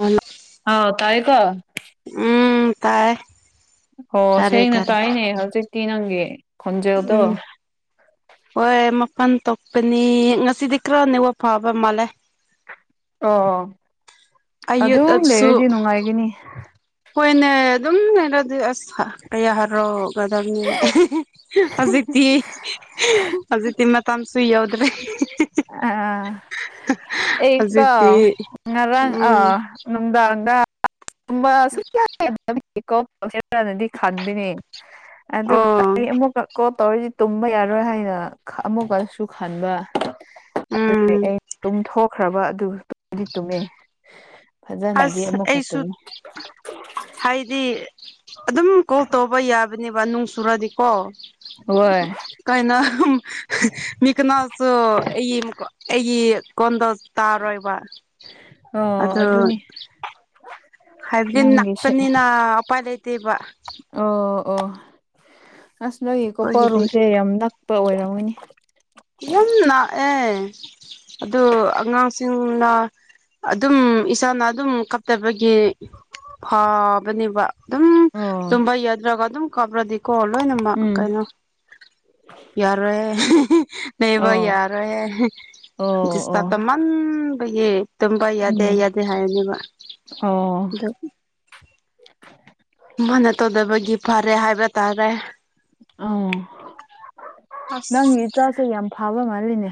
Hello ꯑꯥꯎ ꯇꯥꯏꯌꯦ ꯀꯣ ꯎꯝ ꯇꯥꯏꯌꯦ ꯑꯣ ꯁꯦꯡꯅ ꯇꯥꯏꯅꯦ ꯍꯧꯖꯤꯛꯇꯤ ꯅꯪꯒꯤ ꯈꯣꯟꯖꯦꯜꯗꯣ ꯎꯝ ꯍꯣꯏ ꯃꯄꯥꯟ ꯊꯣꯛꯄꯅꯤ ꯉꯁꯤꯗꯤ ꯈꯔ ꯅꯦꯋꯥꯛ ꯐꯕ ꯃꯥꯜꯂꯦ ꯑꯣ ꯑꯗꯨꯝ ꯑꯌꯨꯠꯁꯨ ꯂꯩꯔꯗꯤ ꯅꯨꯡꯉꯥꯏꯒꯅꯤ ꯍꯣꯏꯅꯦ ꯑꯗꯨꯝ ꯂꯩꯔꯗꯤ ꯑꯁ ꯀꯌꯥ ꯍꯔꯥꯎꯒꯗꯕꯅꯤ ꯍꯧꯖꯤꯛꯛꯇꯤ ꯍꯧꯖꯤꯛꯛꯇꯤ ꯃꯇꯝꯁꯨ ꯌꯥꯎꯗ꯭ꯔꯦ ꯑ ꯍꯧꯖꯤꯛꯇꯤ ꯑꯩꯀꫭ ꯉꯔꯥꯡ ꯑ ꯎꯝ ꯗꯥ [inaudible] [unintelligible] [inaudible] [unintelligible] ꯅꯗꯤ ꯈꯟꯗꯅꯦ ꯑꯗꯨꯒ ꯑꯣ ꯑꯃꯨꯛ ꯀꯣꯜ ꯇꯧꯔꯤꯁꯤ ꯇꯨꯝꯕ ꯌꯥꯔꯣꯏ ꯍꯥꯏꯅ ꯑꯃꯨꯛꯀꯁꯨ ꯈꯟꯕ ꯑꯗꯨꯗꯤ ꯎꯝ ꯑꯩ ꯇꯨꯝ ꯊꯣꯛꯈ꯭ꯔꯕ ꯑꯗꯨ ꯇꯨꯝꯗꯤ ꯇꯨꯝꯃꯦ ꯐꯖꯅꯗꯤ ꯑꯁ ꯑꯃꯨꯛꯀ ꯑꯩꯁꯨ ꯇꯨꯝꯃꯦ ꯍꯥꯏꯗꯤ ꯑꯗꯨꯝ ꯀꯣꯜ ꯇꯧꯕ ꯌꯥꯕꯅꯦꯕ ꯅꯨꯡ ꯁꯨꯔꯗꯤꯀꯣ ꯍꯣꯏ ꯀꯥꯏꯩꯅ ꯃꯤꯀꯅꯥꯁꯨ ꯑꯩꯒꯤ ꯑꯩꯒꯤ ꯀꯣꯟꯗ ꯇꯥꯔꯣꯏꯕ ꯑꯣ ꯑꯗꯣ ꯑꯗꯨꯅꯤ ꯍꯥꯏꯕꯗꯤ ꯅꯪꯒꯤꯁꯦ ꯅꯛꯄꯅꯤꯅ ꯎꯄꯥꯏ ꯂꯩꯇꯦꯕ ꯑꯣ ꯑꯣ ꯑꯁ ꯅꯣꯏꯒꯤ ꯑꯩꯈꯣꯏꯒꯤꯗꯤ ꯀꯣꯄꯔꯨꯝꯁꯦ ꯌꯥꯝ ꯅꯛꯄ ꯑꯣꯏꯔꯝꯒꯅꯤ ꯌꯥꯝ ꯂꯥꯛꯑꯦ ꯑꯗꯨ ꯑꯉꯥꯡꯁꯤꯡꯅ ꯑꯗꯨꯝ ꯏꯁꯥꯅ ꯑꯗꯨꯝ ꯀꯞꯇꯕꯒꯤ ꯐꯥꯕꯅꯦꯕ ꯑꯗꯨꯝ ꯑꯣ ꯇꯨꯝꯕ ꯌꯥꯗ꯭ꯔꯒ ꯑꯗꯨ ꯀꯞꯔꯗꯤ ꯀꯣ ꯂꯣꯏꯅꯃꯛ ꯎꯝ ꯀꯩꯅꯣ ꯌꯥꯔꯣꯏꯍꯦ ꯂꯩꯕ ꯑꯣ ꯌꯥꯔꫭꯏꯍꯦ ꯑꯣ ꯑꯣ ꯗꯤꯁꯇꯞ ꯇꯧꯃꯟꯕꯒꯤ ꯇꯨꯝꯕ ꯌꯥꯗꯦ ꯎꯝ ꯌꯥꯗꯦ ꯍꯥꯏꯔꯅꯦꯕ ꯑꯣ ꯑꯗꯨ ꯃꯥꯅ ꯇꯧꯗꯕꯒꯤ ꯐꯔꯦ ꯍꯥꯏꯕ ꯇꯥꯔꯦ ꯑ ꯑꯁ ꯅꯪꯒꯤ ꯏꯆꯥꯁꯦ ꯌꯥꯝ ꯐꯕ ꯃꯥꯜꯂꯤꯅꯦ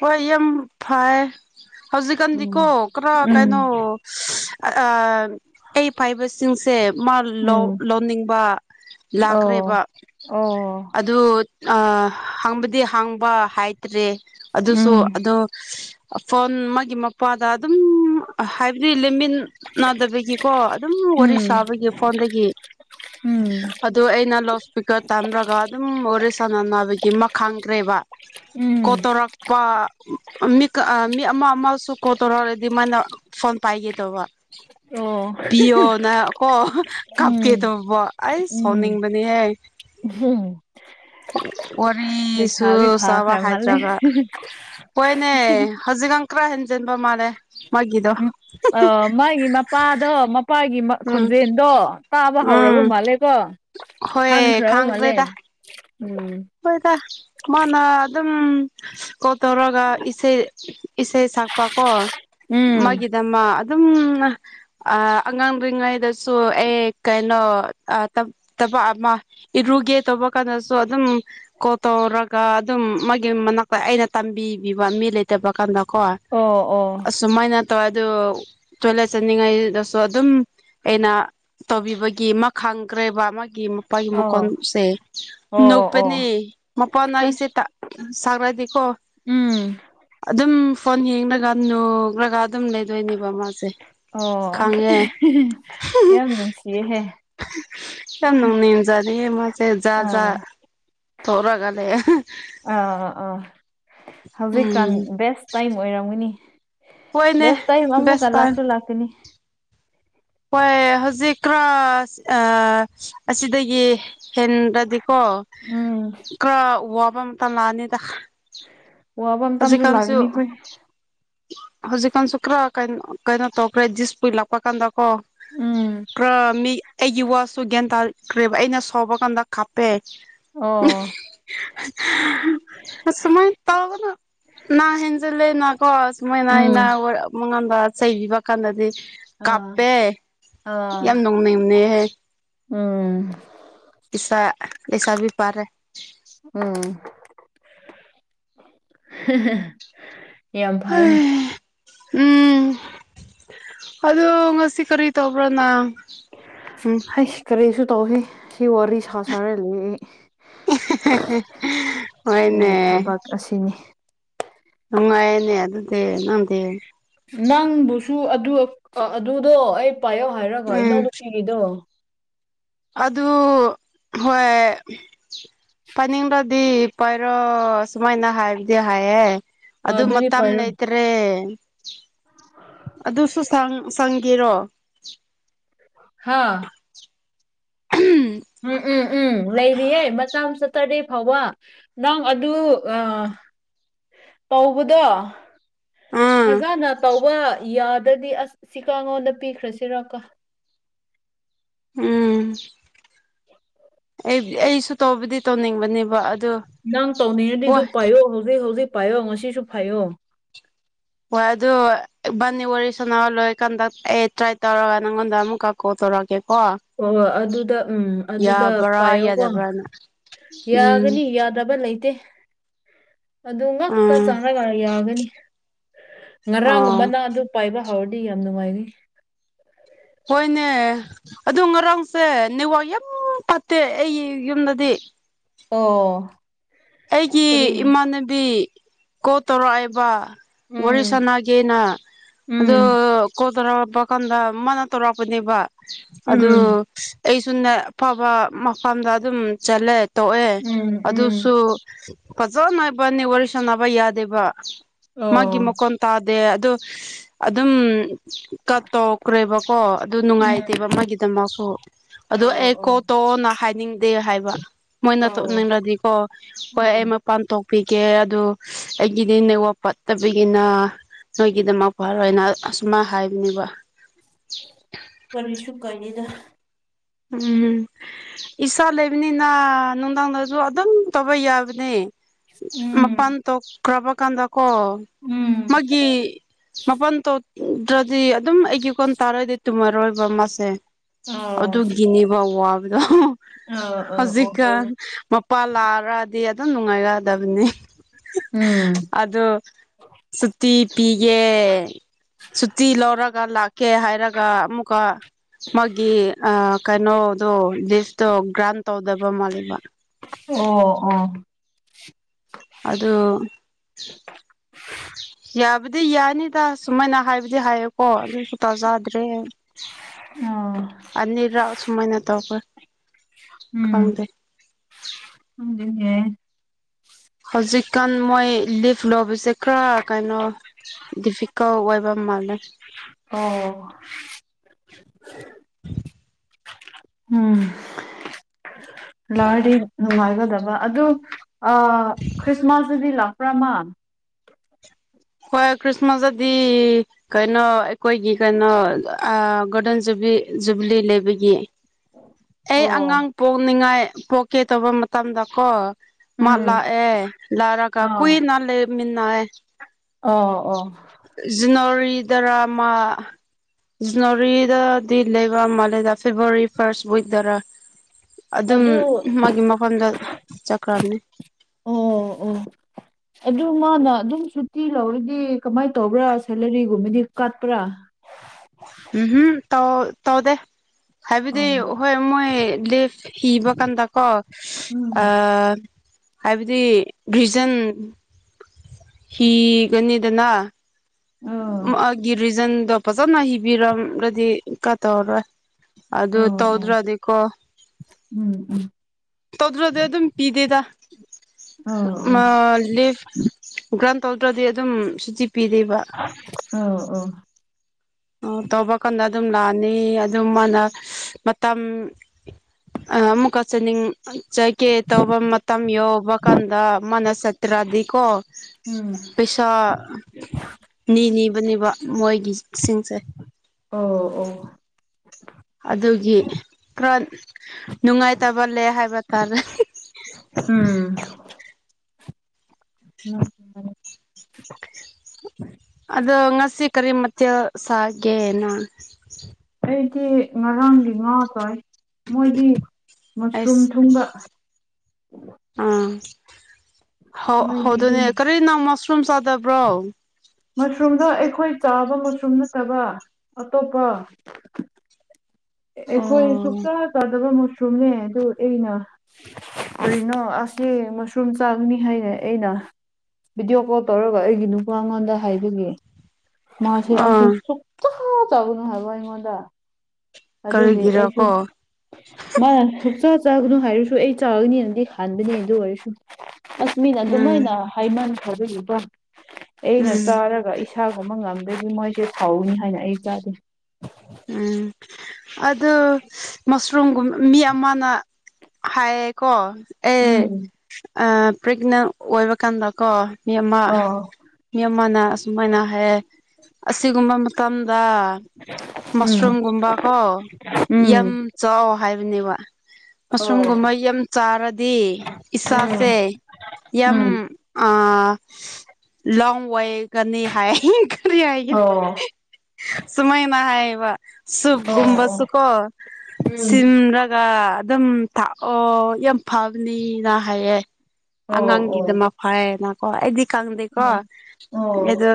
ꯍꯣꯏ ꯌꯨꯝ ꯐꯩꯌꯦ ꯍꯧꯖꯤꯛꯀꯥꯟꯗꯤꯀꯣ ꯎꯝ ꯈꯔ ꯎꯝ ꯀꯩꯅꯣ ꯑ ꯑꯩ ꯄꯥꯏꯕꯁꯤꯡꯁꯦ ꯃꯥ ꯂꯧ ꯎꯝ ꯂꯧꯅꯤꯡꯕ ꯑꯣ ꯂꯥꯛꯈ꯭ꯔꯦꯕ ꯑꯣ ꯑꯗꯨ ꯍꯥꯡꯕꯗꯤ ꯍꯥꯡꯕ ꯍꯥꯏꯇ꯭ꯔꯦ ꯎꯝ ꯑꯗꯨꯗꯁꯨꯣ ꯑꯗꯣ ꯐꯣꯟ ꯃꯥ ꯃꯄꯥꯗ ꯑꯗꯨꯝ ꯍꯥꯏꯕꯗꯤ ꯂꯩꯃꯤꯟꯅꯗꯕꯒꯤ ꯀꯣ ꯑꯗꯨꯝ ꯋꯥꯔꯤ ꯎꯝ ꯁꯥꯕꯒꯤ ꯐꯣꯟꯗꯒꯤ ꯎꯝ ꯑꯗꯨ ꯑꯩꯅ ꯂꯥꯎꯠ ꯏꯁꯄꯤꯀꯔ ꯇꯝꯔꯒ ꯑꯗꯨꯝ ꯋꯥꯔꯤꯦ ꯁꯥꯟꯅꯅꯕꯒꯤ ꯑꯃ ꯈꯥꯡꯈ꯭ꯔꯦꯕ ꯎꯝ ꯃꯤ ꯃꯤ ꯑꯃ ꯑꯃꯁꯨ ꯀꯣꯠꯇꯧꯔꯔꯗꯤ ꯃꯥꯅ ꯐꯣꯟ ꯄꯥꯏꯒꯦ ꯇꯧꯕ ꯑꯣ ꯄꯤꯌꯣꯅ ꯀꯣ ꯀꯞꯀꯦ ꯎꯝ ꯇꯧꯕ ꯑꯩꯁ ꯁꯥꯎꯅꯤꯡꯕꯅꯦꯍꯦ ꯍꯝ ꯋꯥꯔꯤꯁꯨ ꯂꯩꯁꯥꯕꯤ ꯁꯕꯥ ꯐꯥꯈ꯭ꯔ ꯃꯥꯜꯂꯦ ꯍꯥꯏꯗ꯭ꯔꯒ ꯍꯣꯏꯅꯦ ꯍꯧꯖꯤꯛꯀꯥꯟ ꯈꯔ ꯍꯦꯟꯖꯤꯟꯕ ꯃꯥꯜꯂꯦ ꯃꯥꯒꯤꯗꯣ ꯑ ꯃꯥꯒꯤ ꯃꯄꯥꯗꯣ ꯃꯄꯥꯒꯤ ꯎꯝ ꯈꯣꯟꯖꯦꯜꯗꯣ ꯇꯥꯕ ꯎꯝ ꯍꯧꯔꯕ ꯃꯥꯜꯂꯦꯀꯣ ꯍꯣꯏ ꯈꯪꯈ꯭ꯔꯕ ꯃꯥꯜꯂꯦ ꯎꯝ ꯑꯩꯈꯣꯏꯗ ꯃꯥꯅ ꯑꯗꯨꯝ ꯀꯣꯜ ꯇꯧꯔꯒ ꯏꯁꯩ ꯏꯁꯩ ꯁꯛꯄ ꯀꯣ ꯎꯝ ꯃꯥꯒꯤꯗꯃ ꯑꯗꯨꯝ ꯑꯉꯥꯡ ꯑꯣꯏ꯭ꯔꯤꯉꯩꯗꯁꯨ ꯑꯦ ꯀꯩꯅꯣ ꯇꯕꯛ ꯑꯃ ꯏꯔꯨꯒꯦ ꯇꯧꯕ ꯀꯥꯟꯗꯁꯨ ꯑꯗꯨꯝ ꯀꯣ ꯇꯧꯔꯒ ꯑꯗꯨꯝ ꯃꯥꯒꯤ ꯃꯅꯥꯛꯇ ꯑꯩꯅ ꯇꯝꯕꯤꯕꯤꯕ ꯃꯤ ꯂꯩꯇꯕ ꯀꯥꯟꯗ ꯀꯣ ꯑꯣ ꯑꯣ ꯁꯨꯃꯥꯏꯅꯠꯇꯧ ꯑꯗꯨꯣ ꯆꯣꯂꯦ ꯆꯅꯤꯡꯉꯥꯏꯗꯁꯨ ꯑꯗꯨꯝ ꯑꯩꯅ ꯇꯧꯕꯤꯕꯒꯤ ꯑꯃ ꯈꯪꯈ꯭ꯔꯦꯕ ꯑꯃꯒꯤ ꯃꯄꯥꯒꯤ ꯑꯣ ꯃꯀꯣꯟꯁꯦ ꯑꯣ ꯅꯣꯛꯄꯅꯦ ꯑꯣ ꯃꯄꯥꯥꯟꯅ ꯑꯁ ꯑꯩꯁꯦ ꯁꯗꯤ ꯍꯣ ꯎꯝ ꯑꯗꯨꯝ ꯐꯣꯟ ꯌꯦꯡꯉꯒ ꯅꯨꯈ꯭ꯔꯒ ꯑꯗꯨꯝ ꯂꯩꯗꯣꯏꯅꯦꯕ ꯃꯥꯁꯦ ꯑꯣ ꯈꯪꯉꯦ ꯌꯥꯝ ꯅꯨꯡꯁꯤꯌꯦꯍꯦ ꯌꯥꯝ ꯅꯅꯨꯡꯅꯤꯖꯥꯔꯤꯦ ꯃꯥꯁꯦ ꯖꯥ ꯑꯥ ꯊꯧꯔꯥꯒ ꯂꯩꯦ ꯑꯥ ꯑꯥ ꯑꯥ ꯍꯧꯖꯤꯛꯀꯥꯟ ꯎꯝ ꯕꯦꯁ ꯇꯥꯏꯝ ꯑꯣꯏꯔꯝꯒꯅꯤ ꯍꯣꯏꯅꯦ ꯦꯁ ꯇꯏ ꯃꯝꯃꯨ ꯕꯦꯁ ꯀ ꯇꯥꯏꯝ ꯂꯥꯛꯆꯣ ꯂꯥꯛꯀꯅꯤ ꯍꯣꯏ ꯍꯧꯖꯤꯛ ꯀ꯭ꯔꯥꯁ ꯑꯁꯤꯗꯒꯤ ꯍꯦꯟ ꯈꯔꯗꯤꯀꯣ ꯎꯝ ꯈꯔ ꯋꯥꯕ ꯑꯃꯇ ꯂꯥꯛꯑꯅꯤꯗ ꯋꯥꯕ ꯍꯧꯖꯤꯛ ꯃꯇꯝꯁꯨ ꯀꯥꯟꯁꯨ ꯂꯥꯛꯒꯅꯤ ꯑꯩꯈꯣꯏ ꯍꯧꯖꯤꯛ ꯀꯥꯟꯁꯨ ꯀ꯭ꯔꯥ ꯀꯩꯅ ꯀꯩꯅꯣ ꯇꯧꯈ꯭ꯔꯦꯖꯤꯁꯄ ꯂꯥꯛꯄ ꯆꯄ ꯀꯥꯟꯗ ꯀꯣ ꯎꯝ ꯄꯨꯔꯥ ꯃꯤ ꯑꯩ ꯌ ꯋꯥꯁꯨ ꯒ꯭ꯌꯥꯟ ꯇꯥ ꯈ꯭ꯔꯦꯕ ꯑꯩꯅ ꯁꯣꯕ ꯀꯥꯟꯗ ꯀꯥꯞꯄꯦ ꯑꯣ ꯁꯃꯥꯏ ꯇꯕꯅ ꯅꯥ ꯍꯦꯟꯖꯤꯜꯂꯦꯅ ꯀꯣ ꯁꯨꯃꯥꯏꯅ ꯑꯩꯅ ꯎꯝ ꯃꯉꯣꯟꯗ ꯆꯩꯕꯤꯕ ꯀꯥꯟꯗꯗꯤ ꯑꯥ ꯀꯥꯞꯄꯦ ꯑꯥ ꯌꯥꯝ ꯅꯣꯡ ꯅꯩꯅꯦꯍꯦ ꯎꯝ ꯄꯩꯁꯥ ꯄꯁꯥꯕꯤ ꯄꯥꯔꯦ ꯎꯝ ꯌꯥꯝ ꯐꯩꯅꯦ ꯎꯝ ꯑꯣ ꯉꯁꯤ ꯀꯔꯤ ꯇꯧꯕ꯭ꯔꯥꯅ ꯍ ꯀꯔꯤꯁꯨ ꯇꯧꯁꯤ ꯁꯤ ꯋꯥꯔꯤ ꯁꯥ ꯁꯥꯔ ꯂꯩ ꯑꯩ ꯑꯩꯒꯤ ꯍꯣꯏꯅꯦ ꯊꯕꯛ ꯑꯁꯤꯅꯤ ꯅꯨꯡꯉꯥꯏꯌꯦꯅꯦ ꯑꯗꯨꯗꯤ ꯅꯪꯗꯤ ꯅꯪꯕꯨꯁꯨ ꯑꯗꯨ ꯑꯗꯨꯗꯣ ꯑꯩ ꯄꯥꯏꯌꯧ ꯍꯥꯏꯔꯒ ꯎꯝ ꯏꯅꯥꯎꯅꯨꯄꯤꯒꯤꯗꯣ ꯑꯗꯨ ꯍꯣꯏ ꯄꯥꯅꯤꯡꯕꯣꯗꯤ ꯄꯥꯏꯔꯣ ꯁꯨꯃꯥꯏꯅ ꯍꯥꯏꯕꯗꯤ ꯍꯥꯏꯌꯦꯦ ꯑ ꯑꯗ ꯑꯗꯨꯗꯤ ꯄꯥꯏꯔꯣ ꯃꯠꯇꯝꯅꯇ꯭ꯔꯦ ꯑꯗꯨꯁꯨ ꯁꯪꯒꯦꯔꯣ ꯍꯥꯥ ꯎꯝ ꯎꯝ ꯎꯝ ꯎꯝ ꯂꯩꯔꯤꯌꯦ ꯃꯇꯝ ꯁꯥꯇ꯭ꯔꯗꯦ ꯐꯥꯎꯕ ꯅꯪ ꯑꯗꯨ ꯇꯧꯕꯗꯣ ꯎꯝ ꯐꯖꯅ ꯇꯧꯕ ꯌꯥꯗ꯭ꯔꯗꯤ ꯑꯁ ꯁꯤꯀꯉꯣꯟꯗ ꯄꯤꯈ꯭ꯔꯁꯤꯔꯒꯣ ꯎꯝ ꯑꯩ ꯑꯩꯁꯨ ꯇꯧꯕꯗꯤ ꯇꯧꯅꯤꯡꯕꯅꯦꯕ ꯑꯗꯨ ꯅꯪ ꯇꯧꯅꯤꯡꯉꯗꯤ ꯑꯗꯨ ꯍꯣꯏ ꯄꯥꯏꯌꯣ ꯍꯧꯖꯤꯛ ꯍꯧꯖꯤꯛ ꯄꯥꯏꯌꯣ ꯉꯁꯤꯁꯨ ꯐꯥꯏꯌꯣ ꯍꯣꯏ ꯑꯗꯨ ꯢꯕꯅꯤ ꯂꯣꯢꯔ ꯀꯟꯗꯥ ꯑꯩ ꯇ꯭ꯔꯥꯏ ꯇꯧꯔꯒ ꯅꯪꯉꯣꯟꯗ ꯑꯃꯨꯛ ꯀꯣ ꯊꯔꯒꯦ ꯀꯣ ꯑꯣ ꯑꯗꯨꯗ ꯎꯝ ꯑꯗꯨꯗ ꯄꯥꯏꯌꯣꯀꯣ ꯌꯥꯗꯕ꯭ꯔꯥꯅ ꯎꯝ ꯌꯥꯒꯅꯤ ꯌꯥꯗꯕ ꯂꯩꯇꯦ ꯑꯗꯨ ꯉꯛꯇ ꯎꯝ ꯆꯥꯅꯒ ꯌꯥꯒꯅꯤ ꯑꯣ ꯉꯔꯥꯡꯒꯨꯝꯕꯅ ꯑꯗꯨ ꯄꯥꯏꯕ ꯍꯧꯥꯎꯔꯗꯤ ꯌꯥꯝ ꯅꯨꯡꯉꯥꯏꯅꯤ ꯍꯣꯏꯅꯦ ꯑꯗꯨ ꯉꯔꯥꯡꯁꯦ ꯅꯦꯋꯥꯛ ꯌꯥꯝ ꯐꯠꯇꯦ ꯑꯩꯒꯤ ꯌꯨꯝꯗꯗꯤ ꯑꯣ ꯑꯩꯒꯤ ꯀꯔꯤ ꯏꯃꯥꯟꯅꯕꯤ ꯀꯣꯜ ꯇꯧꯔꯛꯑꯦꯕ ꯋꯥꯔꯤ ꯎꯝ ꯁꯥꯟꯅꯒꯦꯅ ꯑꯗꯨ ꯎꯝ ꯀꯣꯜ ꯇꯧꯔꯛꯄ ꯀꯥꯟꯗ ꯃꯥꯅ ꯇꯧꯔꯛꯄꯅꯦꯕ ꯑꯗꯨ ꯎꯝ ꯑꯩꯁꯨ ꯑꯐꯕ ꯃꯐꯝꯗ ꯑꯗꯨꯝ ꯆꯠꯂꯦ ꯇꯣꯛꯑꯦ ꯎꯝ ꯎꯝ ꯑꯗꯨꯁꯨ ꯐꯖꯅ ꯢꯕꯥꯅꯤ ꯋꯥꯔꯤ ꯁꯥꯟꯅꯕ ꯌꯥꯗꯦꯕ ꯃꯥꯒꯤ ꯑꯣ ꯃꯈꯣꯟ ꯇꯥꯗꯦ ꯑꯗꯣ ꯑꯗꯨꯝ ꯀꯠ ꯇꯧꯈ꯭ꯔꯦꯕꯀꯣ ꯑꯗꯨ ꯎꯝ ꯅꯨꯡꯉꯥꯏꯇꯦꯕ ꯑꯃꯒꯤꯗꯃꯛꯁꯨ ꯑꯗꯨ ꯑꯣ ꯑꯩ ꯀꯣ ꯑꯣ ꯇꯧꯑꯣꯅ ꯍꯥꯏꯅꯤꯡꯗꯦ ꯍꯥꯏꯕ ꯃꯣꯏꯅ ꯑꯣ ꯇꯨꯅꯤꯡꯂꯗꯤꯀꯣ ꯎꯝ ꯃꯄꯥꯟ ꯊꯣꯛꯄꯤꯒꯦ ꯑꯗꯨ ꯑꯩꯒꯤꯗꯤ ꯅꯦꯋꯥꯛ ꯐꯠꯇꯕꯒꯤꯅ ꯅꯣꯏꯒꯤꯗꯃꯛ ꯐꯔꯣꯏꯅ ꯑꯁ ꯃꯥ ꯍꯥꯏꯕꯅꯦꯕ ꯀꯔꯤꯁꯨꯨ ꯀꯥꯏꯗꯦꯗ ꯎꯝ ꯏꯁꯥ ꯂꯩꯕꯅꯤꯅ ꯅꯨꯡꯗꯥꯡꯗꯁꯨ ꯑꯗꯨꯝ ꯇꯧꯕ ꯌꯥꯕꯅꯦ ꯃꯄꯥꯟ ꯎꯝ ꯊꯣꯛꯈ꯭ꯔꯕ ꯀꯥꯟꯗꯀꯣ ꯎꯝ ꯃꯥꯒꯤ ꯃꯄꯥꯟ ꯇꯣꯛꯗ꯭ꯔꯗꯤ ꯑꯗꯨꯝ ꯑꯩꯒꯤ ꯀꯣꯟ ꯇꯥꯔꯣꯏꯗ ꯇꯨꯝꯃꯔꯣꯏꯕ ꯃꯥꯁꯦ ꯑꯥꯎ ꯒꯤꯅꯤꯕ ꯋꯥꯕꯗꯣ ꯑꯥ ꯑꯣ ꯍꯧꯖꯤꯛꯀꯥꯟ ꯍꯣꯏ ꯃꯥ ꯂꯥꯛꯑꯔꯗꯤ ꯑꯗꯨꯝ ꯅꯨꯡꯉꯥꯏꯔꯛꯑꯗꯕꯅꯤ ꯎꯝ ꯑꯗꯨ ꯁꯨꯇꯤ ꯄꯤꯒꯦ ꯁꯨꯇꯤ ꯂꯧꯔꯒ ꯂꯥꯛꯀꯦ ꯍꯥꯏꯔꯒ ꯑꯃꯨꯛꯀ ꯃꯥꯒꯤ ꯑ ꯀꯩꯅꯣꯗꯣ ꯂꯤꯁꯇꯣ ꯒ꯭ꯔꯥꯟ ꯇꯧꯗꯕ ꯃꯥꯜꯂꯦꯕ ꯑꯣ ꯑꯣ ꯑꯗꯨ ꯌꯥꯕꯨꯗꯤ ꯌꯥꯅꯤꯗ ꯁꯨꯃꯥꯏꯅ ꯍꯥꯏꯕꯗꯤ ꯍꯥꯏꯌꯦꯀꯣ ꯑꯗꯨꯁꯨ ꯇꯥꯖꯥꯗ꯭ꯔꯦ ꯑꯥ ꯑꯅꯤꯔꯛ ꯁꯨꯃꯥꯢꯅ ꯇꯧꯄ ꯑꯝ ꯑꯗꯨꯅꯦ ꯍꯧꯖꯤꯛꯀꯥꯟ ꯃꯣꯏ ꯂꯤꯚ ꯂꯧꯕꯁꯦ ꯈꯔ ꯀꯩꯅꯣ ꯗꯤꯐꯤꯀꯜ ꯑꯣꯏꯕ ꯃꯥꯜꯂꯦ ꯑꯣ ꯎꯝ ꯂꯥꯛꯑꯗꯤ ꯅꯨꯡꯉꯥꯏꯒꯗꯕ ꯑꯗꯨ ꯈ꯭ꯔꯤꯁꯃꯥꯁꯇꯗꯤ ꯂꯥꯛꯄ꯭ꯔꯥꯃ ꯍꯣꯏ ꯈ꯭ꯔꯤꯁꯃꯥꯁ ꯑꯗꯨꯗꯤ ꯀꯩꯅꯣ ꯑꯩꯈꯣꯏꯒꯤ ꯀꯩꯅꯣ ꯒꯣꯜꯗꯟꯖꯂꯤ ꯖꯨꯕ꯭ꯂꯤ ꯂꯩꯕꯒꯤ ꯑꯩ ꯑꯣ ꯑꯉꯥꯡ ꯄꯣꯛꯅꯤꯡꯉꯥꯏ ꯄꯣꯛꯀꯦ ꯇꯧꯕ ꯃꯇꯝꯗ ꯀꯣ ꯎꯝ ꯃꯜꯂꯥꯛ ꯑꯦ ꯂꯥꯔꯒꯥ ꯑꯥ ꯀꯨꯏꯅ ꯂꯩꯃꯤꯟꯅ ꯑꯦ ꯑꯣ ꯑꯣ ꯖꯅꯔꯤ ꯗꯔꯥꯃꯥ ꯖꯅꯋꯥꯔꯤꯗꯗꯤ ꯂꯩꯕ ꯃꯥꯜꯂꯦꯗ ꯐꯦꯕꯋꯥꯔꯤ ꯐꯥꯔꯁ ꯋꯏꯗꯔ ꯑꯗꯨꯝ ꯑꯗꯨ ꯃꯥꯒꯤ ꯃꯐꯝꯗ ꯆꯠꯈ꯭ꯔꯕꯅꯤ ꯑꯣ ꯑꯣ ꯑꯗꯨ ꯃꯥꯅ ꯑꯗꯨꯝ ꯁꯨꯇꯤ ꯂꯧꯔꯗꯤ ꯀꯃꯥꯏꯅ ꯇꯧꯕ꯭ꯔꯥ ꯁꯦꯂꯔꯤꯒꯨꯝꯕꯗꯤ ꯀꯠꯄ꯭ꯔꯥ ꯎꯝ ꯍꯨꯝ ꯇꯧ ꯇꯧꯗꯦ ꯍꯥꯏꯕꯗꯤ ꯑꯧ ꯍꯣꯏ ꯃꯣꯏ ꯂꯤꯞ ꯢꯕ ꯀꯥꯟꯗꯀꯣ ꯎꯝ ꯑ ꯍꯥꯏꯕꯗꯤ ꯔꯤꯖꯟ ꯍꯤꯒꯅꯤꯗꯅꯥ ꯑ ꯒꯤ ꯔꯤꯖꯟꯗꯣ ꯐꯖꯅ ꯍꯤꯕꯤꯔꯝꯒꯗꯤ ꯀꯥ ꯇꯧꯔꯔꯣꯏ ꯑꯗꯨ ꯑꯣ ꯑꯣ ꯇꯧꯗ꯭ꯔꯗꯤꯀꯣ ꯎꯝ ꯎꯝ ꯇꯧꯗ꯭ꯔꯗꯤ ꯑꯗꯨꯝ ꯄꯤꯗꯦꯗ ꯑꯣ ꯑꯣ ꯂꯤꯐ ꯒ꯭ꯔꯥꯟ ꯇꯧꯗ꯭ꯔꯗꯤ ꯑꯗꯨꯝ ꯁꯨꯇꯤ ꯄꯤꯗꯦꯕ ꯎ ꯑꯣ ꯑꯣ ꯇꯧꯕ ꯀꯥꯟꯗ ꯑꯗꯨꯝ ꯂꯥꯛꯑꯅꯤ ꯑꯗꯨꯝ ꯃꯥꯅ ꯃꯇꯝ ꯑꯃꯨꯛꯀ ꯆꯠꯅꯤꯡ ꯆꯥꯏꯒꯦ ꯇꯧꯕ ꯃꯇꯝ ꯌꯎꯧꯕ ꯀꯥꯟꯗ ꯃꯥꯅ ꯁꯠꯇ꯭ꯔꯥꯙꯀ ꯎꯝ ꯄꯩꯁꯥ ꯅꯤꯅꯤꯕꯅꯦꯕ ꯃꯣꯏꯒꯤ ꯁꯤꯡꯁꯔ ꯑꯣ ꯑꯣ ꯑꯗꯨꯒꯤ ꯈꯔ ꯅꯨꯡꯉꯥꯏꯇꯕ ꯂꯩ ꯍꯥꯏꯕ ꯇꯥꯔꯦ ꯎꯝ ꯎ ꯑꯗ ꯉꯁꯤ ꯀꯔꯤ ꯃ ꯁꯦꯅ ꯑꯩꯗꯤ ꯉꯔꯥꯡꯒꯤ ꯉꯥ ꯇꯣꯏ ꯃꯣꯏꯗꯤ ꯃꯁꯔꯨꯝ ꯑꯩꯁ ꯊꯨꯡꯕ ꯑꯥ ꯃꯣꯏꯗꯤ ꯍꯗꯨꯅꯦ ꯑꯗꯨꯝ ꯀꯔꯤ ꯅꯎ ꯃꯁꯔꯨꯝ ꯆꯥꯗꯕ꯭ꯔꯣ ꯃꯁꯔꯨꯝꯗꯣ ꯑꯩꯈꯣꯏ ꯆꯥꯕ ꯃꯁꯔꯨꯝ ꯅꯠꯇꯕ ꯑꯇꯣꯞꯄ ꯑꯩꯈꯣꯏ ꯑꯣ ꯁꯨꯡꯛꯇ ꯇꯥꯗꯕ ꯃꯁꯔꯨꯝꯅꯦ ꯑꯗꯨ ꯑꯩꯅ ꯀꯔꯤꯅꯣ ꯑꯁꯤꯁ ꯃꯁꯔꯨꯝ ꯆꯥꯡꯅꯤ ꯍꯥꯏꯅ ꯑꯩꯅ ꯚꯤꯗꯤꯑꯣ ꯀꯣꯜ ꯇꯧꯔꯒ ꯑꯩꯒꯤ ꯅꯨꯄꯥ ꯑꯩꯉꯣꯟꯗ ꯍꯥꯏꯕꯒꯦ ꯃꯥꯁꯦ ꯑꯁꯤ ꯑꯥ ꯁꯨꯡꯊ ꯇꯥꯕꯅꯨ ꯍꯥꯏꯕ ꯑꯩꯉꯣꯟꯗ ꯑꯗꯨꯒꯤꯁꯨ ꯀꯔꯤꯒꯤꯔꯀꯣ ꯃꯥꯅ ꯍꯛꯆꯆꯥ ꯆꯥꯒꯅꯨ ꯍꯥꯏꯔꯁꯨ ꯑꯩ ꯆꯥꯒꯅꯤꯅꯗꯤ ꯍꯥꯟꯕꯅꯤ ꯑꯗꯨ ꯑꯣꯏꯔꯁꯨ ꯑꯁꯃꯤꯟ ꯎꯝ ꯑꯗꯨꯃꯥꯏꯅ ꯍꯥꯏꯃꯟ ꯈꯕꯤꯕ ꯑꯩꯅ ꯎꯝ ꯆꯥꯔꯒ ꯏꯁꯥꯒꯨꯝꯕ ꯉꯝꯗꯗꯒꯤ ꯃꯣꯏꯁꯦ ꯐꯥꯎꯅꯤ ꯍꯥꯏꯅ ꯑꯩ ꯆꯥꯗꯦ ꯎꯝ ꯑꯗꯨ ꯃꯁꯔꯨꯝꯒꯨꯝꯕ ꯃꯤ ꯑꯃꯅ ꯍꯥꯏꯌꯦꯀꯣ ꯑꯦ ꯎꯝ ꯄ꯭ꯔꯦꯒꯅꯦꯟ ꯑꯣꯏꯕ ꯀꯥꯟꯗꯀꯣ ꯃꯤ ꯑꯃ ꯑꯣ ꯃꯤ ꯑꯃꯅ ꯑꯁꯨꯃꯥꯏꯅ ꯍꯥꯏꯌꯦ ꯑꯁꯤꯒꯨꯝꯕ ꯃꯇꯝꯗ ꯎꯝ ꯃꯁꯔꯨꯝꯒꯨꯝꯕ ꯀꯣ ꯌꯥꯝ ꯎꯝ ꯆꯥꯎ ꯍꯥꯏꯕꯅꯦꯕ ꯑꯣ ꯑꯁꯨꯝꯒꯨꯝꯕ ꯌꯥꯝ ꯆꯥꯔꯗꯤ ꯏꯁꯥꯁꯦ ꯎꯝ ꯌꯥꯝ ꯎꯝ ꯑꯥ ꯂꯣꯡ ꯋꯥꯏ ꯀꯅꯤ ꯍꯥꯏꯅꯤ ꯍꯥꯏꯒ ꯑꯣ ꯁꯨꯃꯥꯏꯅ ꯍꯥꯏꯌꯦ꯫ ꯑꯣ ꯑꯣ ꯁꯨꯞꯒꯨꯝꯕꯁꯨꯀꯣ ꯎꯝ ꯁꯤꯝꯂꯒ ꯑꯗꯨꯝ꯫ ꯊꯥꯛ ꯑꯣ ꯌꯥꯝ ꯐꯕꯅꯤꯅ ꯍꯥꯏꯌꯦ ꯑꯣ ꯑꯣ ꯑꯉꯥꯡꯒꯤꯗꯃꯛ ꯐꯩꯌꯦꯅ꯫ ꯀꫭ ꯑꯩꯗꯤ ꯈꯪꯗꯦꯀꯣ ꯎꯝ ꯑꯣ ꯑꯗꯣ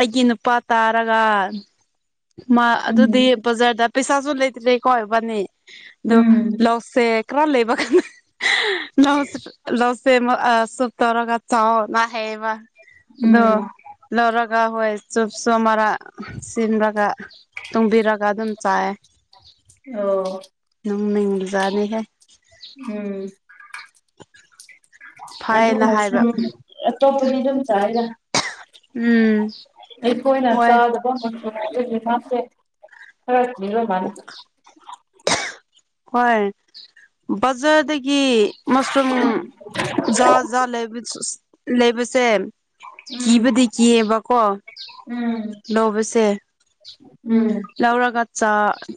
ꯑꯩꯒꯤ ꯅꯨꯄꯥ ꯇꯥꯔꯒ꯫ ꯃꯥ ꯑꯗꯨꯗꯤ ꯎꯝ ꯕꯖꯥꯔꯗ ꯄꯩꯁꯥꯁꯨ ꯂꯩꯇ꯭ꯔꯦꯀꯣ ꯏꯕꯥꯅꯤ ꯑꯗꯨ ꯎꯝ ꯂꯧꯁꯦ꯫ ꯈꯔ ꯂꯩꯕ ꯀꯥꯟꯗ꯫ ꯂꯧꯁꯦ ꯂꯧꯁꯦ ꯑꯃ ꯁꯨꯞ ꯇꯧꯔꯒ ꯆꯥꯎꯑꯣꯅ ꯍꯥꯏꯌꯦꯕ꯫ ꯑꯗꫭ ꯎꯝ ꯂꯧꯔꯒꯥ ꯍꯣꯏ ꯆꯣꯞꯁꯣ ꯃꯔꯥ ꯁꯤꯝꯕꯒ꯫ ꯇꯣꯡꯕꯤꯔꯒ ꯑꯗꯨꯝ ꯆꯥꯏꯌꯦ꯫ ꯑꯣ ꯅꯪ ꯅ ꯎꯖꯥꯅꯦ ꯍꯦ ꯎꯝ ꯑ ꯐꯩꯌꯦꯅ ꯍꯥꯏꯕ ꯃꯣꯁꯝ ꯑꯦꯇꯣꯄꯗꯤꯗꯝ ꯎꯝ ꯑꯩꯈꯣꯏꯅ ꯍꯣꯏ ꯆꯥꯗꯕ ꯃ ꯍꯥꯇꯦ ꯈꯔ ꯄꯤꯔ ꯃꯥ ꯍꯣꯏ ꯕꯖꯥꯔꯗꯒꯤ ꯃꯁꯔꯨꯝ ꯖꯥ ꯖꯥ ꯂꯩ ꯂꯩꯕꯁꯦ ꯎꯝ ꯀꯤꯕꯗꯤ ꯀꯤꯑꯕꯀꯣ ꯎꯝ ꯂꯧꯕꯁꯦ ꯎꯝ ꯂꯧꯔꯒ ꯆꯥ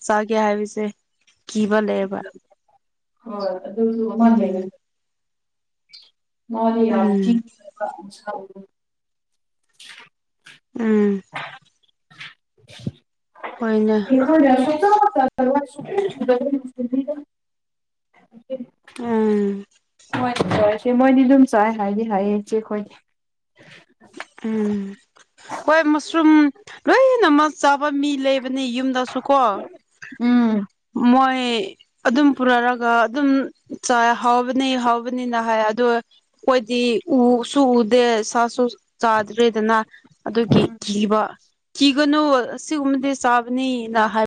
ꯆꯥꯒꯦ ꯍꯥꯏꯕꯁꯦ ꯀꯤꯕ ꯂꯩꯌꯦꯕ꯫ ꯍꯣꯏ ꯑꯗꯨꯁꯨ ꯑꯃ ꯎꯝ ꯂꯩꯌꯦ꯫ ꯃꯗꯤ ꯌꯥꯝ ꯎꯝ ꯆꯤꯛꯄ꯫ [inaudible] ꯎꯝ꯫ No word ꯍꫭꯏꯅꯦ꯫ [unintelligible] [inaudible] ꯏꯦ ꯎꯝ ꯃꯣꯏꯗꯤ ꯑꯗꯨꯝ ꯆꯥꯏꯌꯦ ꯍꯥꯏꯗꯤ ꯍꯥꯏꯌꯦ ꯏꯆꯦ ꯑꯩꯈꯣꯏꯗꯤ꯫ ꯎꯝ ꯍꯣꯏ ꯃꯁꯔꯨꯝ ꯂꯣꯏꯅꯃꯛ ꯆꯥꯕ ꯃꯤ ꯂꯩ ꯂꯩꯕꯅꯤ ꯌꯨꯝꯗꯁꯨ ꯀꯣ ꯎꯝ ꯃꯣꯏ꯫ ꯑꯗꯨꯝ ꯄꯨꯔꯛꯑꯒ ꯑꯗꯨꯝ ꯆꯥꯌꯦ ꯍꯥꯎꯕꯅꯤ ꯍꯥꯎꯕꯅꯤꯅ ꯍꯥꯏ ꯑꯗꯣ꯫ ꯑꯩꯈꯣꯏꯗꯤ ꯎꯁꯨ ꯎꯗꯦ ꯁꯥꯁꯨ ꯆꯥꯗ꯭ꯔꯦꯗꯅ꯫ ꯑꯗꯨꯒꯤ ꯀꯤꯕ ꯀꯤꯒꯅꯨ ꯑꯁꯤꯒꯨꯝꯕꯗꯤ ꯆꯥꯕꯅꯤꯅ ꯍꯥꯏ꯫